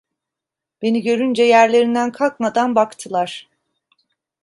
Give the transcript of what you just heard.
Beni görünce yerlerinden kalkmadan baktılar.